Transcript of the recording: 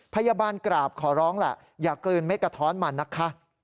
พยาบาลกราบขอร้องล่ะอย่าเกินเม็ดกะท้อนมานะคะ